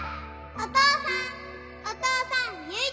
お父さん！